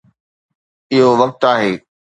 اهو وقت آهي.